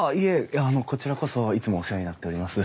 いやあのこちらこそいつもお世話になっております。